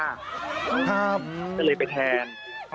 ครับอืมใช่ครับจะเลยไปแทน